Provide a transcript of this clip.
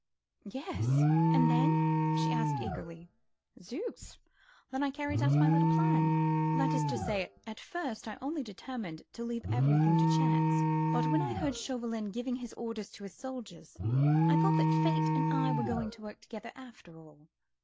"Yes!—and then?" she asked eagerly. "Zooks!—then I carried out my little plan: that is to say, at first I only determined to leave everything to chance, but when I heard Chauvelin giving his orders to the soldiers, I thought that Fate and I were going to work together after all.